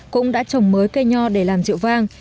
cũng đã trồng mới cây nho làm rượu vang